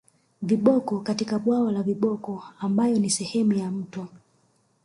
Viboko katika bwawa la viboko ambayo ni sehemu ya mto